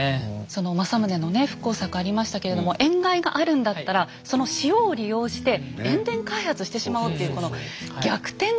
その政宗のね復興策ありましたけれども塩害があるんだったらその塩を利用して塩田開発してしまおうっていうこの逆転の発想もすごいですよね。